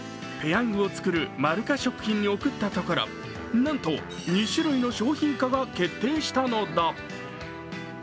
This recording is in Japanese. ペヤングを作る、まるか食品に送ったところ、なんと２種類の商品化が決定したのだ。